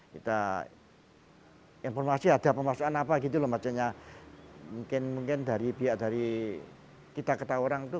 kita informasi ada pemasukan apa gitu loh maksudnya mungkin dari biasa dari kita kata orang itu